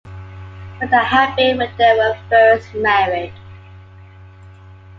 But that had been when they were first married.